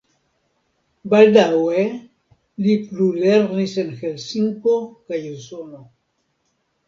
Baldaŭe li plulernis en Helsinko kaj Usono.